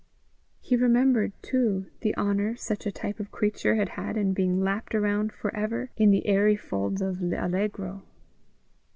He remembered too the honour such a type of creature had had in being lapt around for ever in the airy folds of L'Allegro.